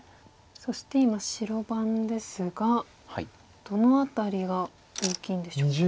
そして今白番ですがどの辺りが大きいんでしょうか。